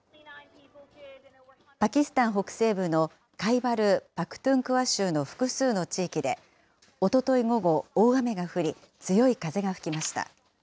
パキスタン北西部のカイバル・パクトゥンクワ州の複数の地域でおととい午後、大雨が降り、強い風が吹きました。